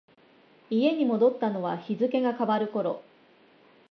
家に戻ったのは日付が変わる頃。